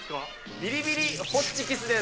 ビリビリホッチキスです。